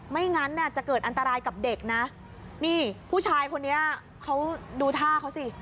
ไม่อย่างนั้นจะเกิดอันตรายกับเด็คนี่ผู้ชายคนนี้เขาดูท่าเขาสิ